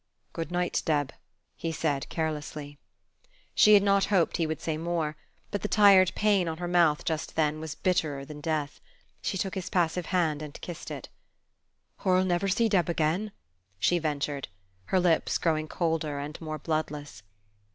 "Good night, Deb," he said, carelessly. She had not hoped he would say more; but the tired pain on her mouth just then was bitterer than death. She took his passive hand and kissed it. "Hur'll never see Deb again!" she ventured, her lips growing colder and more bloodless.